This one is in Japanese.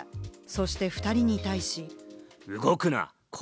そして２人に対し。